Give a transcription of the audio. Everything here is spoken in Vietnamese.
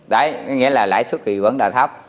đấy nghĩa là lãi xuất thì vẫn là thấp